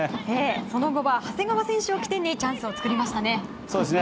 その後は長谷川選手を起点にチャンスを作りましたね。